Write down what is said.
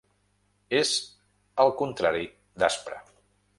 És el contrari d'aspre.